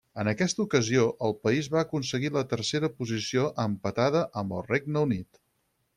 En aquesta ocasió, el país va aconseguir la tercera posició, empatada amb el Regne Unit.